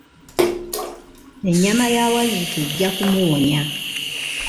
Ennyama ya Wazzike ejja kumuwonya.